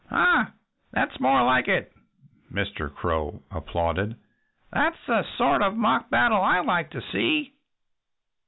"Ha! That's more like it!" Mr. Crow applauded. "That's the sort of mock battle I like to see!"